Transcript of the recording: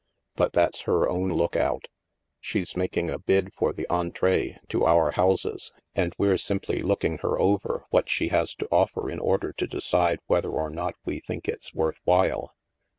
But that's her own lookout. She's making a bid for the entree to our houses, and we're simply looking her over what she has to offer in order to decide whether or not we think it's worth while.